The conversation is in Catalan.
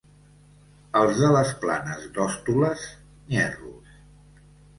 Els de les Planes d'Hostoles, nyerros.